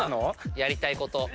やりたいこと。